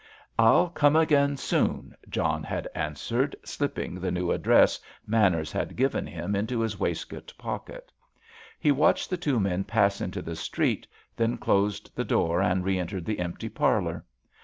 "I'll come again soon," John had answered, slipping the new address Manners had given him into his waistcoat pocket. He watched the two men pass into the street, then closed the door, and re entered the empty parlour.